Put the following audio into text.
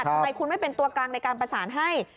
ทำไมคุณไม่เป็นตัวกลางในการประสานให้